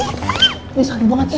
ini sakit banget ya